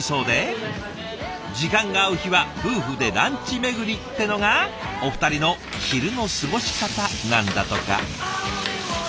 時間が合う日は夫婦でランチ巡りってのがお二人の昼の過ごし方なんだとか。